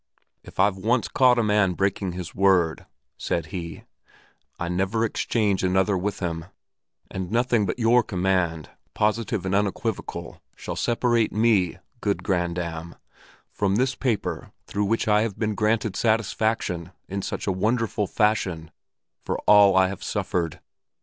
"If I've once caught a man breaking his word," said he, "I never exchange another with him; and nothing but your command, positive and unequivocal, shall separate me, good grandam, from this paper through which I have been granted satisfaction in such a wonderful fashion for all I have suffered."